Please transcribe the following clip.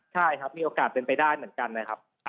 ใช่ครับมีโอกาสเป็นไปได้เหมือนกันนะครับ